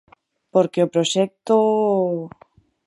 Porque o proxecto...